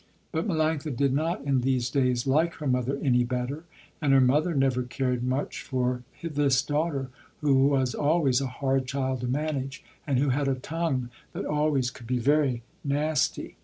But Melanctha did not in these days like her mother any better, and her mother never cared much for this daughter who was always a hard child to manage, and who had a tongue that always could be very nasty.